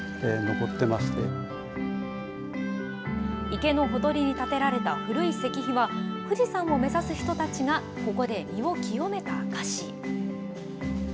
池のほとりに建てられた古い石碑は富士山を目指す人たちがここで身を清めた証し。